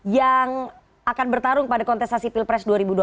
yang akan bertarung pada kontestasi pilpres dua ribu dua puluh